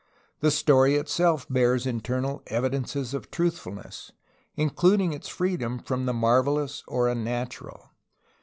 The story itself bears in ternal evidences of truthfulness, including its freedom from the marvelous or unnatural.